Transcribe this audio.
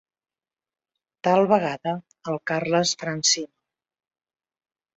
Tal vegada el Carles Francino.